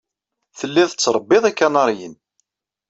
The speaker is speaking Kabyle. Tellid tettṛebbid ikanaṛiyen.